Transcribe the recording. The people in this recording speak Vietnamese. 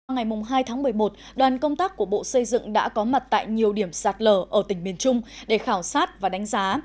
ngày hai tháng một mươi một đoàn công tác của bộ xây dựng đã có mặt tại nhiều điểm sạt lở ở tỉnh miền trung để khảo sát và đánh giá